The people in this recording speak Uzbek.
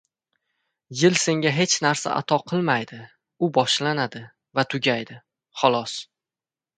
• Yil senga hech narsa ato qilmaydi — u boshlanadi va tugaydi, xolos.